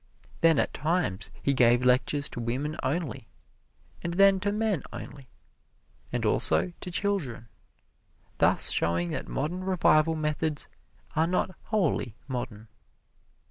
Then at times he gave lectures to women only, and then to men only, and also to children, thus showing that modern revival methods are not wholly modern.